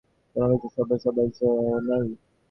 তোমার বুঝি আর সভ্য হবার জো নেই?